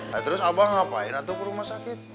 nah terus abah ngapain atuh ke rumah sakit